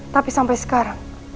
tapi sampai sekarang